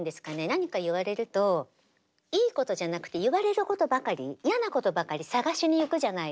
何か言われるといいことじゃなくて言われることばかり嫌なことばかり探しに行くじゃないですか。